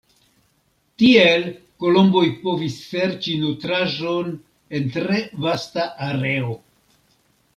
Tiel kolomboj povis serĉi nutraĵon en tre vasta areo.